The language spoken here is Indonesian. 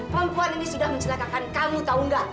perempuan ini sudah mencelakakan kamu tahu nggak